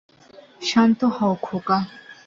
শান্ত হও, খোকা।